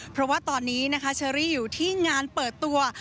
เพราะว่าตอนนี้นะคะเชอรี่อยู่ที่งานเปิดตัว